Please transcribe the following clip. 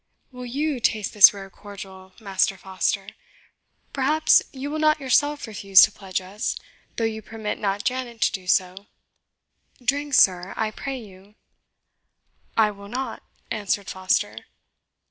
"Will YOU taste this rare cordial, Master Foster? Perhaps you will not yourself refuse to pledge us, though you permit not Janet to do so. Drink, sir, I pray you." "I will not," answered Foster.